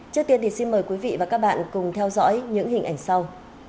trước tiên thì xin mời quý vị và các bạn cùng theo dõi những hình ảnh sau